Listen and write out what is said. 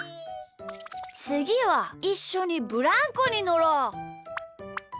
つぎはいっしょにブランコにのろう！